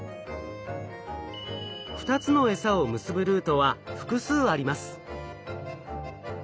２つのえさを結ぶルートは複数あります。